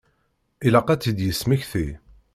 Ilaq ad tt-id-yesmekti.